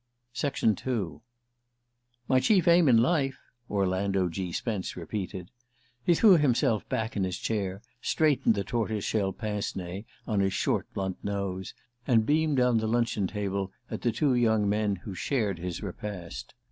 II "My chief aim in life?" Orlando G. Spence repeated. He threw himself back in his chair, straightened the tortoise shell pince nez, on his short blunt nose, and beamed down the luncheon table at the two young men who shared his repast.